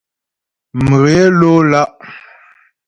Mghě ló lá'.